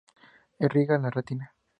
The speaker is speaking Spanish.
Irriga la retina.